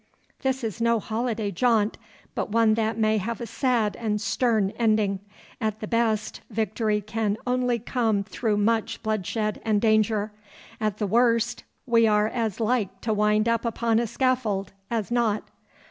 This is no holiday jaunt, but one that may have a sad and stern ending. At the best, victory can only come through much bloodshed and danger. At the worst, we are as like to wind up upon a scaffold as not.